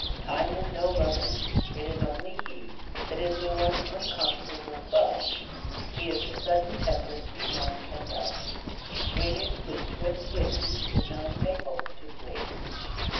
Time is no lover; it is only he That is the one unconquerable foe, He is the sudden tempest none can know, Winged with swift winds the none may hope to flee.